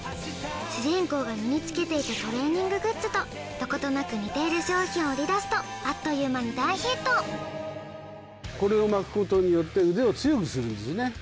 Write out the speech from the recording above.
主人公が身に着けていたトレーニンググッズとどことなく似ている商品を売り出すとあっという間に大ヒットこれを巻くことによって腕を強くするんですね